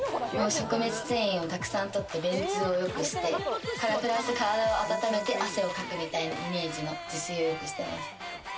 食物繊維をたくさん取って便通を良くして、プラス体を温めて、汗をかくみたいなイメージの自炊をよくしてます。